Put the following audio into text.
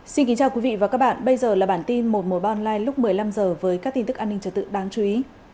xin kính chào quý vị và các bạn bây giờ là bản tin một trăm một mươi ba online lúc một mươi năm h với các tin tức an ninh trật tự đáng chú ý